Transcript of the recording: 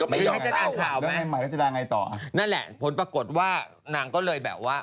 ไม่ได้ให้ฉันอ่านข่าวไหมนั่นแหละผลปรากฏว่านางก็เลยแบบว่า